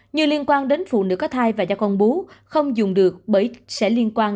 nhiều liên quan đến phụ nữ có thai và cho con bú không dùng được bởi sẽ liên quan